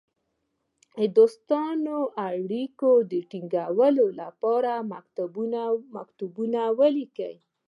دوستانه اړېکو د تینګولو لپاره مکتوبونه ولیکي.